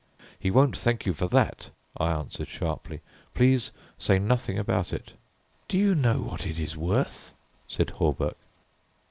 "He won't thank you for that," I answered sharply; "please say nothing about it." "Do you know what it is worth?" said Hawberk.